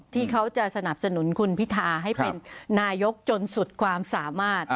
ที่เขาจะสนับสนุนคุณพิทาให้เป็นนายกจนสุดความสามารถ